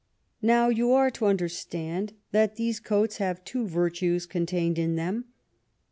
Now, you are to understand, that these coats have two virtues contained in them.